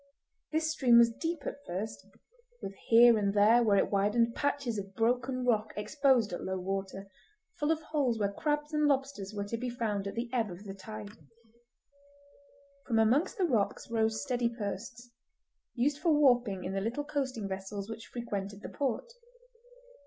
This stream was deep at first, with here and there, where it widened, patches of broken rock exposed at low water, full of holes where crabs and lobsters were to be found at the ebb of the tide. From amongst the rocks rose sturdy posts, used for warping in the little coasting vessels which frequented the port.